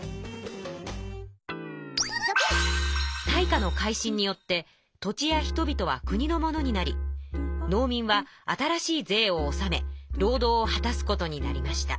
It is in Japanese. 大化の改新によって土地や人びとは国のものになり農民は新しい税を納め労働を果たすことになりました。